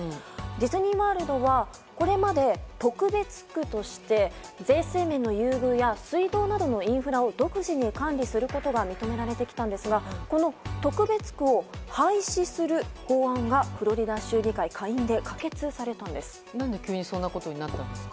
ディズニー・ワールドはこれまで特別区として税制面の優遇や水道などのインフラを独自に管理することが認められてきたんですがこの特別区を廃止する法案がフロリダ州議会の下院で可決されたんです。